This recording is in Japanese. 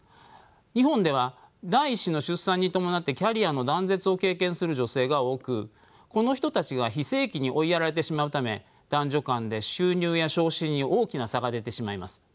日本では第１子の出産に伴ってキャリアの断絶を経験する女性が多くこの人たちが非正規に追いやられてしまうため男女間で収入や昇進に大きな差が出てしまいます。